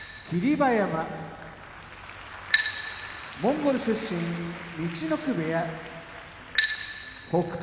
馬山モンゴル出身陸奥部屋北勝